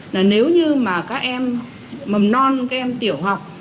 là nếu như mà các em mầm non các em tiểu học